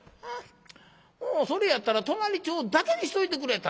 もうそれやったら隣町だけにしといてくれたらええのに。